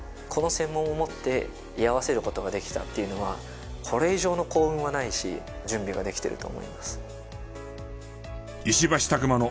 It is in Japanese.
この専門を持って居合わせる事ができたっていうのはこれ以上の幸運はないし準備ができてると思います。